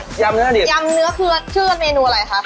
ยำเนื้อดิยำเนื้อเครือชื่อเมนูอะไรคะ